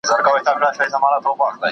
¬ تر تياره برخه مه تېرېږه.